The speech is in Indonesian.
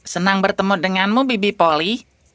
senang bertemu denganmu bibi polly